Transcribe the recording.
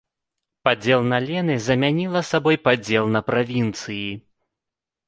Падзел на лены замяніла сабой падзел на правінцыі.